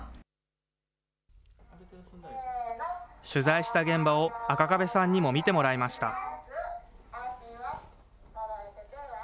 取材した現場を、赤壁さんにも見てもらいました。